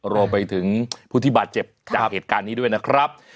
รอไปถึงพุธิบาตเจ็บจากเหตุการณ์นี้ด้วยนะครับ